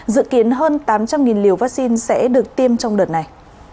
dự kiến hơn tám trăm linh liều vaccine sẽ được tiêm trong đợt này